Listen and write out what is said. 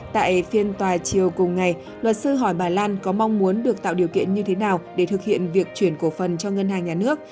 tại phiên tòa chiều cùng ngày luật sư hỏi bà lan có mong muốn được tạo điều kiện như thế nào để thực hiện việc chuyển cổ phần cho ngân hàng nhà nước